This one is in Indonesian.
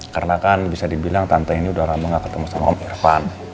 karena kan bisa dibilang tante ini udah lama gak ketemu sama om irvan